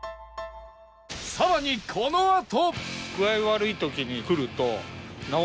さらにこのあと